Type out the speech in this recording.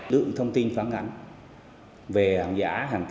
được thông tin phán ngắn về hàng giả